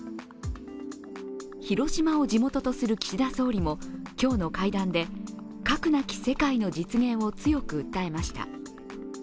広島を地元とする岸田総理も今日の会談で、核なき世界の実現を強く訴えました。